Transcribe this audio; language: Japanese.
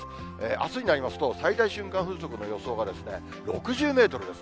あすになりますと、最大瞬間風速の予想がですね、６０メートルです。